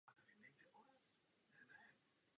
Asi tři kilometry západně od vesnice se nachází vrch Říp.